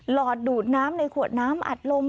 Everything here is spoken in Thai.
หอดดูดน้ำในขวดน้ำอัดลม